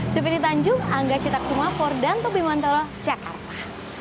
suprily tanjung angga cittaksuma fordanto bimantoro jakarta